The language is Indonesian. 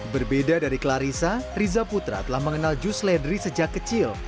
berbeda dari clarissa riza putra telah mengenal jus seledri sejak kecil